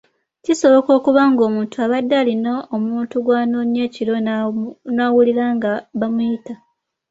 Kisoboka okuba ng’omuntu abadde alina omuntu gw’anoonya ekiro n’awulira nga bamuyita.